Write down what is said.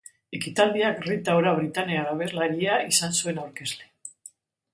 Ekitaldiak Rita Ora britainiar abeslaria izan zuen aurkezle.